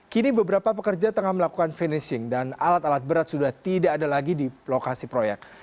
kini beberapa pekerja tengah melakukan finishing dan alat alat berat sudah tidak ada lagi di lokasi proyek